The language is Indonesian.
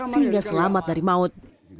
sehingga selamat dari maut